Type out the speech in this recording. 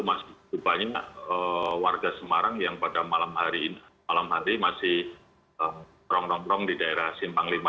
masih banyak warga semarang yang pada malam hari masih nongkrong nongkrong di daerah simpang v